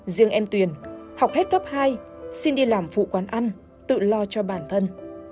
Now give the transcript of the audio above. riêng em tuyền học hết cấp hai xin đi làm phụ quán ăn tự lo cho bản thân